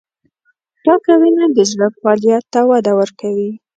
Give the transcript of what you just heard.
پاکه وینه د زړه فعالیت ته وده ورکوي.